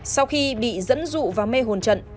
sau khi bị dẫn dụ và mê hồn trận